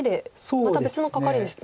また別のカカリですね。